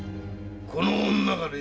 この女が？